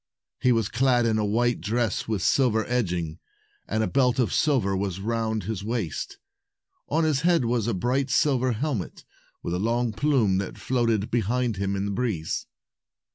He was clad in a white dress with silver edging, and a belt of silver was round his waist. On his head was a bright silver helmet, with a long plume that floated behind him in the breeze.